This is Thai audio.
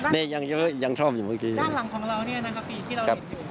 นี่ยังเยอะยังชอบอยู่เมื่อกี้ด้านหลังของเราเนี่ยนะครับพี่ที่เราเห็นอยู่